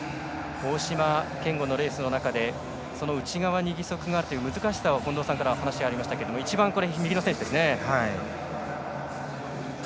大島健吾のレースの中で内側に義足があるというのは難しさについて近藤さんから話がありましたが一番右の選手。